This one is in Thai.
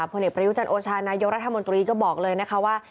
ผลเอกประยุจันทร์โอชานายกรัฐมนตรีก็บอกเลยนะคะว่า